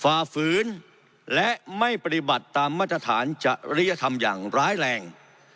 ฝ่าฝืนและไม่ปฏิบัติตามมาตรฐานจริยธรรมอย่างร้ายแรง